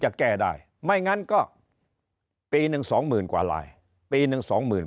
จะแก้ได้ไม่งั้นก็ปีหนึ่งสองหมื่นกว่าลายปีหนึ่งสองหมื่น